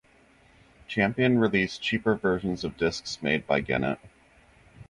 Champion released cheaper versions of discs made by Gennett.